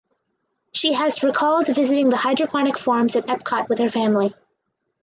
She has recalled visiting the hydroponic farms at Epcot with her family.